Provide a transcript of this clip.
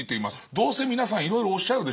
どうせ皆さんいろいろおっしゃるでしょう。